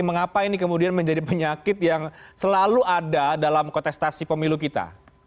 mengapa ini kemudian menjadi penyakit yang selalu ada dalam kontestasi pemilu kita